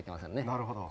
なるほど。